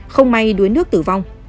không may đuối nước tử vong